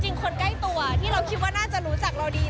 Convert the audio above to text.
จริงคนใกล้ตัวที่คิดแบบเรารู้จักเราดี